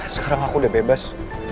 sekarang aku udah bebas